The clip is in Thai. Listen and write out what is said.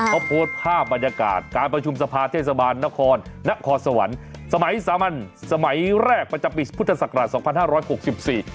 อ่าพอโพสต์ภาพบรรยากาศการประชุมสภาเทศบาลนครนครสวรรค์สมัยสามัญสมัยแรกประจำปิดพุทธศักราช๒๕๖๔